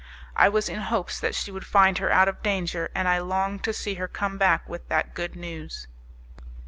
I was in hopes that she would find her out of danger, and I longed to see her come back with that good news.